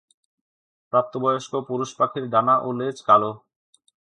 প্রাপ্তবয়স্ক পুরুষ পাখির ডানা ও লেজ কালো।